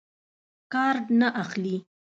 کارټ نه اخلي.